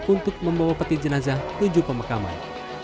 untuk membawa peti jenazah ke tujuh pemakaman